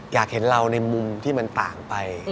อยากเห็นเราในมุมที่มันต่างไป